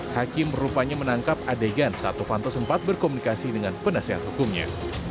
hakim rupanya menangkap adegan saat novanto sempat berkomunikasi dengan penasehat hukumnya